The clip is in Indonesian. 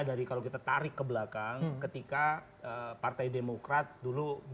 dari kalau kita tarik ke belakang ketika partai demokrat dulu